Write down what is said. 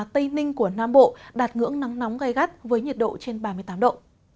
tây ninh của nam bộ đạt ngưỡng nắng nóng gai gắt với nhiệt độ trên ba mươi tám độ